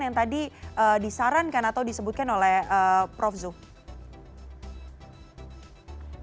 bagaimana kemudian mekanisme yang sebaiknya disiapkan oleh pemerintah untuk bisa memenuhi aturan aturan